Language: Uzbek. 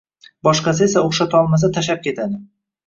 boshqasi esa o‘xshatolmasa tashlab ketadi.